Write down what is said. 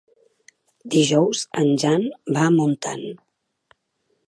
Dijous en Jan va a Montant.